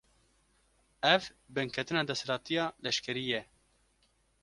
Ev, binketina desthilatiya leşkerî ye